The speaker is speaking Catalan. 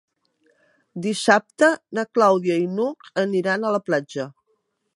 Dissabte na Clàudia i n'Hug aniran a la platja.